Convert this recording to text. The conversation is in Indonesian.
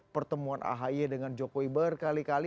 pertemuan ahy dengan jokowi berkali kali